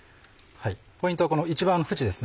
ポイントはこの一番縁ですね